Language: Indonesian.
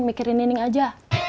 mikirin nining aja